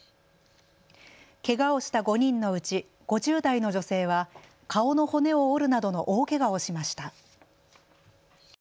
けがをした５人のうち５０代の女性は顔の骨を折るなどの大けがをしました。